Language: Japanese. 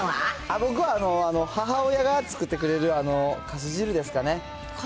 僕は、母親が作ってくれるかす汁ですかね。